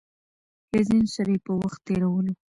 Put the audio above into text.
له ځينو سره يې په وخت تېرولو